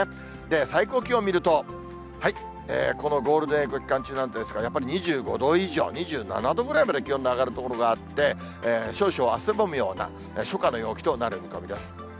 最高気温見ると、このゴールデンウィーク期間中なんですが、やっぱり２５度以上、２７度ぐらいまで気温の上がる所があって、少々汗ばむような、初夏の陽気となる見込みです。